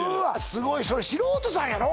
すごいそれ素人さんやろ